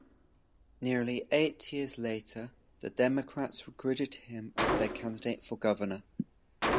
Nearly eight years later the Democrats recruited him as their candidate for Governor.